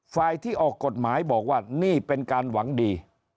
ฝ่ายที่ออกกฎหมายบอกว่านี่เป็นการหวังดี